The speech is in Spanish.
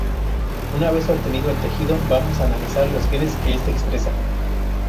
Una vez obtenido el tejido vamos a analizar los genes que este expresa.